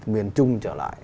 miền trung trở lại